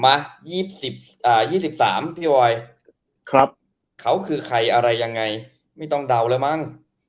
๒๓พี่บอยเขาคือใครอะไรยังไงไม่ต้องเดาแล้วมั้ง